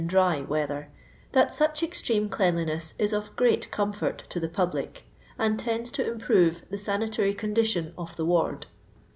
dry weather — that *«cA extreme eleajdijiess is qf great comfort to the public, and tends to improve the sanitary con dition of the ward."